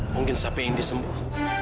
mungkin sampai ini sembuh